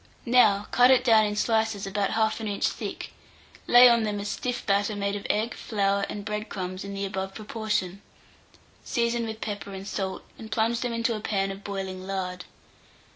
Now cut it down in slices about 1/2 inch thick, lay on them a stiff batter made of egg, flour, and bread crumbs in the above proportion; season with pepper and salt, and plunge them into a pan of boiling lard.